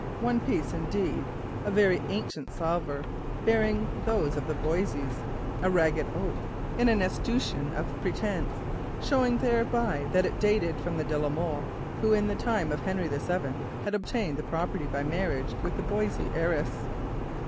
One piece, indeed, a very ancient salver, bore those of the Boisseys—a ragged oak, in an escutcheon of pretence—showing thereby that it dated from that de la Molle who in the time of Henry the Seventh had obtained the property by marriage with the Boissey heiress.